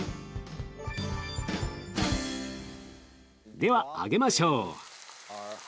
では揚げましょう。